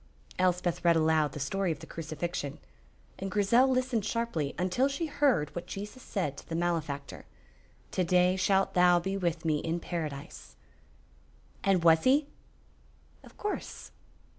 Elspeth read aloud the story of the Crucifixion, and Grizel listened sharply until she heard what Jesus said to the malefactor: "To day shalt thou be with me in Paradise." "And was he?" "Of course."